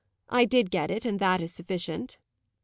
I did get it, and that is sufficient."